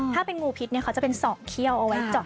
ถ้าเป็นงูพิษเนี่ยเขาจะเป็นสอบเคี้ยวเอาไว้จอด